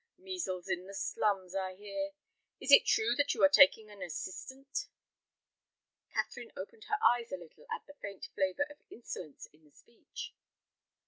Measles in the slums, I hear. Is it true that you are taking an assistant." Catherine opened her eyes a little at the faint flavor of insolence in the speech.